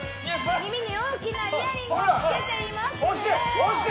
耳に大きなイヤリングをつけています！